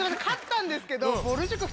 勝ったんですけど。